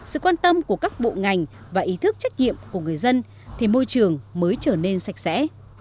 sự quan tâm của các bộ ngành và ý thức trách nhiệm của người dân thì môi trường mới trở nên sạch sẽ